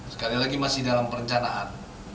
sekali lagi masih dalam perencanaan